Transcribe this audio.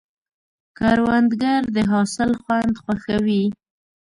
کروندګر د حاصل خوند خوښوي